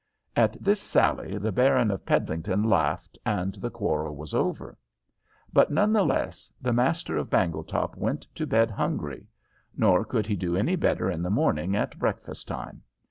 At this sally the Baron of Peddlington laughed and the quarrel was over. But none the less the master of Bangletop went to bed hungry; nor could he do any better in the morning at breakfast time.